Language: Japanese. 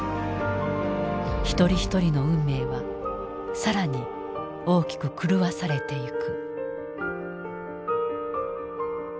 一人一人の運命は更に大きく狂わされていく。